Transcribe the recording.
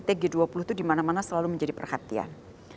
kesuksesan sebuah ktt g dua puluh itu dimana mana selalu menjadi perhatian